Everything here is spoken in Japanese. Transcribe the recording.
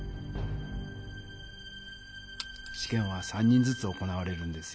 しけんは３人ずつ行われるんですよね。